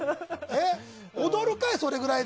踊るかい、それぐらいで！